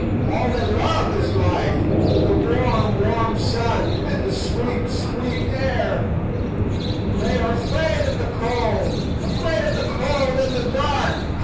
All they love is life, the warm, warm sun, and the sweet, sweet air. They are afraid of the cold, afraid of the cold and the dark, _ha!